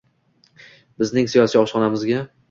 Bizning siyosiy oshxonamizga